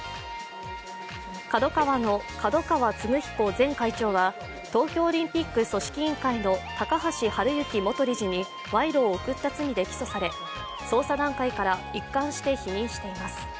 ＫＡＤＯＫＡＷＡの角川歴彦前会長は東京オリンピック組織委員会の高橋治之元理事に賄賂を贈った罪で起訴され捜査段階から一貫して否認しています。